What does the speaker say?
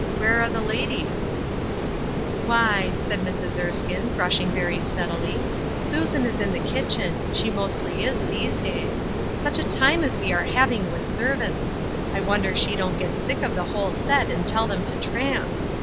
" Where are the ladies ?"" Why," said Mrs. Erskine, brushing away steadily, " Susan is in the kitchen ; she mostly ifl these days. Such a time as we are having with servants; I wonder she don't get sick of the whole set and tell them to tramp.